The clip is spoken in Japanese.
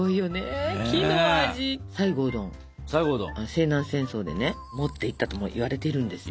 西南戦争でね持っていったともいわれてるんですって。